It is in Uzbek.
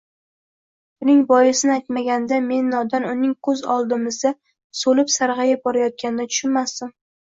Buning boisini aytmaganida men nodon uning koʻz oldimizda soʻlib-sargʻayib borayotganini tushunmasdim.